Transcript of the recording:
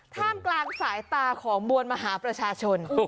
ท่ามกลางสายตาของมวลมหาประชาชน